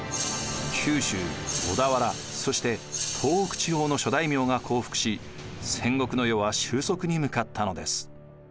九州小田原そして東北地方の諸大名が降伏し戦国の世は終息に向かったのです。